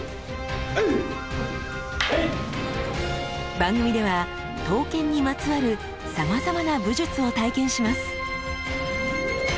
番組では刀剣にまつわるさまざまな武術を体験します。